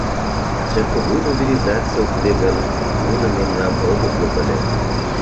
— Таче кугу мобилизаций ок лий гын, нуно мемнам огыт лук ыле.